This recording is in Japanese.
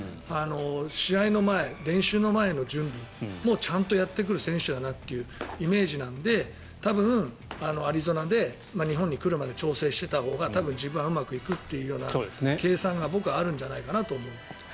試合の前、練習の前の準備もちゃんとやってくる選手だなというイメージなので多分、アリゾナで日本に来るまで調整していたほうが多分、自分はうまくいくっていう計算が僕はあるんじゃないかなと思う。